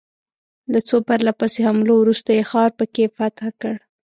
له څو پرله پسې حملو وروسته یې ښار په کې فتح کړ.